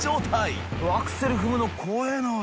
アクセル踏むの怖いなおい。